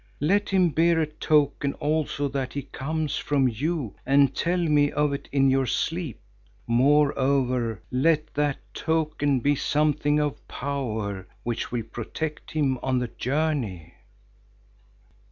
Let him bear a token also that he comes from you and tell me of it in your sleep. Moreover let that token be something of power which will protect him on the journey.